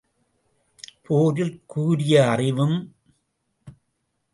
போரில் கூரிய அறிவும்.